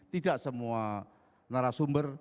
tidak semua narasumber